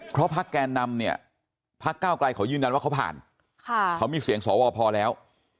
เพราะพักแกนนำเนี่ยพักเก้าไกลเขายืนยันว่าเขาผ่านเขามีเสียงสวพอแล้ว